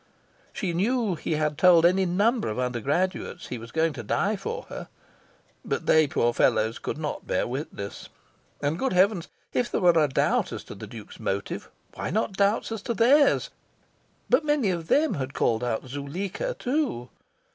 She knew he had told any number of undergraduates he was going to die for her. But they, poor fellows, could not bear witness. And good heavens! If there were a doubt as to the Duke's motive, why not doubts as to theirs?... But many of them had called out "Zuleika!" too.